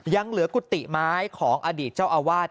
ยังเหลือกุฏิไม้ของอดีตเจ้าอาวาส